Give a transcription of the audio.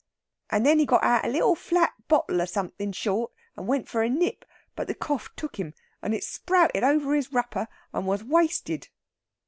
And then he got out a little flat bottle of something short, and went for a nip; but the cough took him, and it sprouted over his wropper and was wasted."